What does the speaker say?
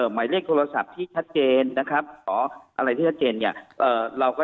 หมายเลขโทรศัพท์ที่ชัดเจนนะครับขออะไรที่ชัดเจนเนี่ย